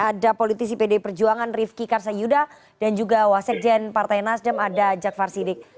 ada politisi pd perjuangan rifqi karsa yuda dan juga wasekjen partai nasdem ada jafar siddiq